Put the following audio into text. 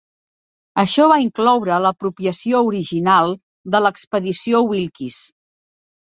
Això va incloure l'apropiació original de l'expedició Wilkes.